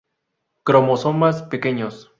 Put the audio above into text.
Cromosomas "pequeños".